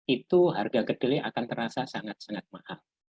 itu harga kedelai akan terasa sangat sangat mahal